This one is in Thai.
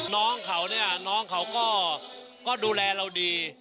น้องเขาเนี่ยน้องเขาก็ดูแลเราดี